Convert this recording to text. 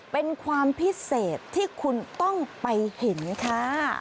เป็นความพิเศษที่คุณต้องไปเห็นค่ะ